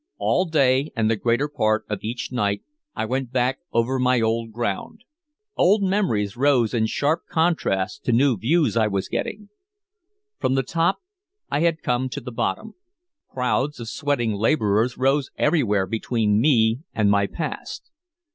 All day and the greater part of each night I went back over my old ground. Old memories rose in sharp contrast to new views I was getting. From the top I had come to the bottom. Crowds of sweating laborers rose everywhere between me and my past.